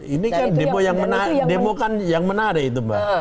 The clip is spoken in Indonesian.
ini kan demo kan yang menarik itu mbak